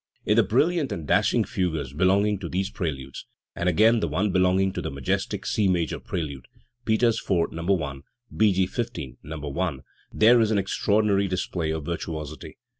In the brilliant and dashing fugues belonging to these preludes, and again the one belonging to the majestic C major prelude (Peters IV, No. i; B. G. XV, No. i) there is an extraordinary display of virtuosity.